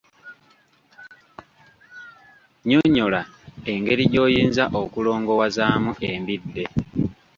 Nyonnyola engeri gy’oyinza okulongowazaamu embidde.